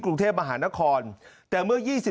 กรุงเทพมหานครแต่เมื่อ๒๕